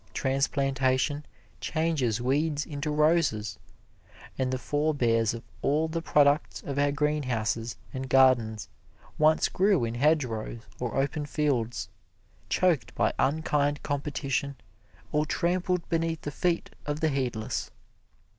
Transplantation changes weeds into roses, and the forebears of all the products of our greenhouses and gardens once grew in hedgerows or open fields, choked by unkind competition or trampled beneath the feet of the heedless.